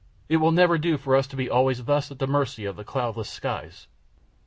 It will never do for us to be always thus at the mercy of cloudless skies!"